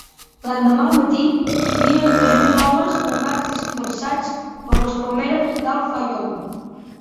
L'endemà al matí, hi havia dos mil homes armats dispersats per les palmeres d'Al-Fayoum.